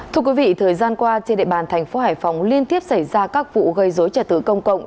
thưa quý vị thời gian qua trên địa bàn tp hcm liên tiếp xảy ra các vụ gây dối trẻ tử công cộng